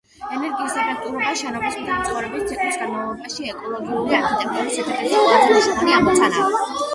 ენერგიის ეფექტურობა შენობის მთელი ცხოვრების ციკლის განმავლობაში ეკოლოგიური არქიტექტურის ერთადერთი ყველაზე მნიშვნელოვანი ამოცანაა.